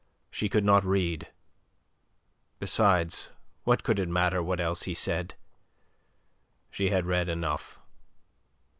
She could not read. Besides, what could it matter what else he said. She had read enough.